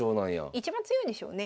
一番強いんでしょうね。